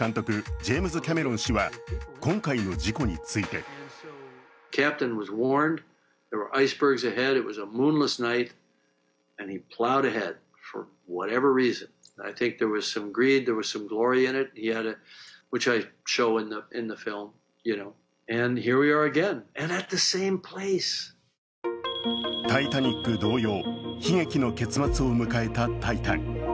ジェームズ・キャメロン氏は今回の事故について「タイタニック」同様、悲劇の結末を迎えた「タイタン」。